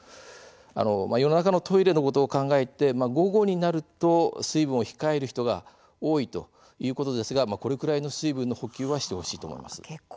夜中のトイレのことを考えて午後になると水分を控える人が多いということですがこれくらいの水分の補給は必要だということです。